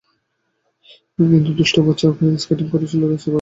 কিছু দুষ্টু বাচ্চা স্কেটিং করছিল, রাস্তার গাড়িগুলোতে আঘাত করতে করতে যাচ্ছিল।